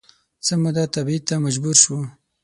څه موده تبعید ته مجبور شو